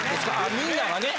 みんながね。